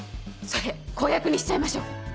それ公約にしちゃいましょう。